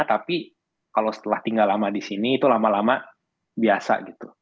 tapi kalau setelah tinggal lama di sini itu lama lama biasa gitu